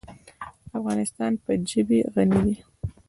افغانستان په ژبې غني دی.